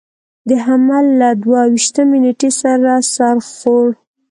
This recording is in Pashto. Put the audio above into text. د حمل له دوه ویشتمې نېټې سره سر خوړ.